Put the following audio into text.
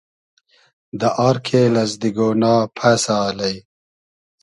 دۂ آر کېل از دیگۉنا پئسۂ الݷ